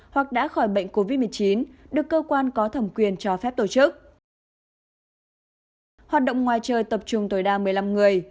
hoạt động ngoài trời tập trung tối đa một mươi năm người